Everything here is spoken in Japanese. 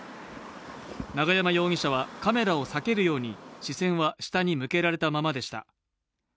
永山容疑者は、カメラを避けるように視線は下に向けられたままでした。